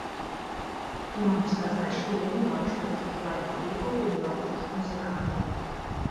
І магу сказаць, што я не бачыў такіх лайф-кліпаў у беларускіх музыкантаў.